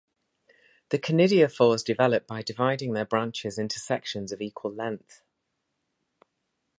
The conidiophores develop by dividing their branches into sections of equal length.